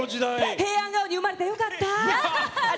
平安顔に生まれてよかった！